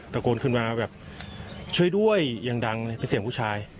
กลับขึ้นมาแบบช่วยด้วยอย่างดังเลยทำให้เสียงผู้ชาย